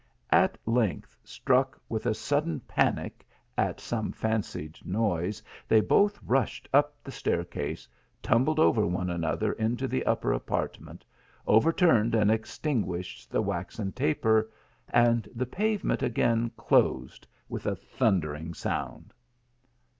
At length, struck with a sudden panic at some fancied noise, they both rushed up the stair case, tumbled over one another into the upper apart ment, overturned and extinguished the waxen taper, and the pavement again closed with a thundering sound.